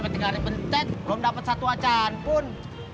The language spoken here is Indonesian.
ketika ada pencet belum dapat satu acan pun